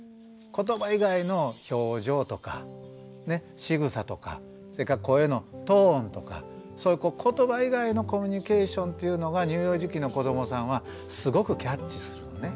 言葉以外の表情とか仕草とかそれから声のトーンとかそういう言葉以外のコミュニケーションというのが乳幼児期の子どもさんはすごくキャッチするのね。